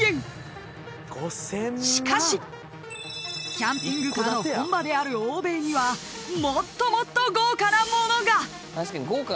［しかしキャンピングカーの本場である欧米にはもっともっと豪華な物が］